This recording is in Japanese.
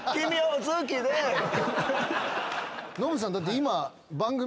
ノブさんだって今番組。